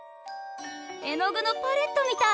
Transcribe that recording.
絵の具のパレットみたい！